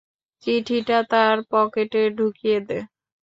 চিঠিটা তার পকেটে ঢুকিয়ে দে।